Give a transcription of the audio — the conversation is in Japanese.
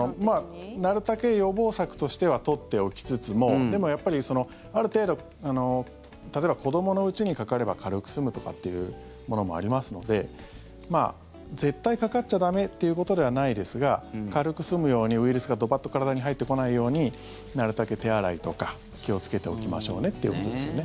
なるたけ予防策としては取っておきつつもでも、やっぱりある程度例えば子どものうちにかかれば軽く済むとかっていうものもありますので絶対かかっちゃ駄目っていうことではないですが軽く済むようにウイルスがドバッと体に入ってこないようになるたけ手洗いとか気をつけておきましょうねっていうことですよね。